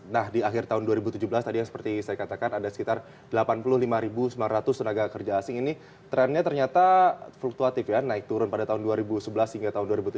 nah di akhir tahun dua ribu tujuh belas tadi yang seperti saya katakan ada sekitar delapan puluh lima sembilan ratus tenaga kerja asing ini trennya ternyata fluktuatif ya naik turun pada tahun dua ribu sebelas hingga tahun dua ribu tujuh belas